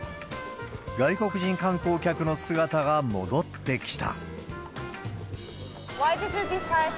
外国人観光客の姿が戻ってきた。